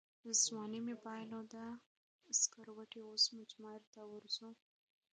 ځواني مې بایلوده سکروټې اوس مجمرته ورځو